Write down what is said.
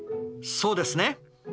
そうですね。